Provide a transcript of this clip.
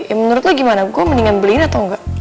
ya menurut lo gimana gue mendingan beliin atau engga